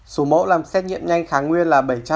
số mẫu làm xét nghiệm nhanh kháng nguyên là